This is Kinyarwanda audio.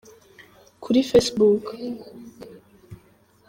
kuri Facebook.